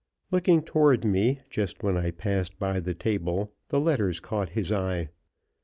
Looking toward me just when I passed by the table, the letters caught his eye.